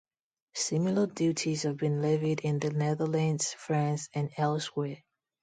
Similar duties have been levied in the Netherlands, France and elsewhere.